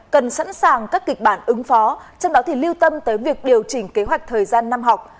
cần sẵn sàng các kịch bản ứng phó trong đó thì lưu tâm tới việc điều chỉnh kế hoạch thời gian năm học